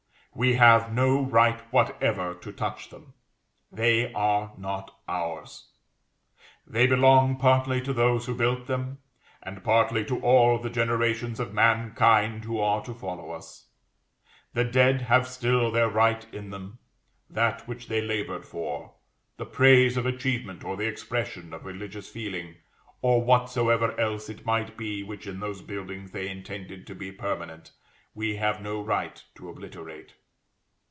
We have no right whatever to touch them. They are not ours. They belong partly to those who built them, and partly to all the generations of mankind who are to follow us. The dead have still their right in them: that which they labored for, the praise of achievement or the expression of religious feeling, or whatsoever else it might be which in those buildings they intended to be permanent, we have no right to obliterate.